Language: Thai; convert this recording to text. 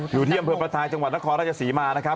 อยู่เที่ยวเผื่อประทายจังหวัดนครราชสีมานะครับ